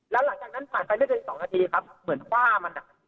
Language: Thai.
แล้วหลังจากนั้นผ่านไปไม่เกิน๒นาทีครับเหมือนคว่ามันอ่ะ